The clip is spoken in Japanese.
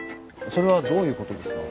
それはどういうことですか？